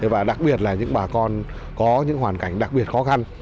và đặc biệt là những bà con có những hoàn cảnh đặc biệt khó khăn